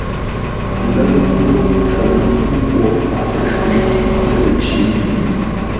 Ə lə̂ʉ zə̂u-mə́ku tsəm ghwo faʼ jwǐ lə̂ ləcǐ-mbî ye.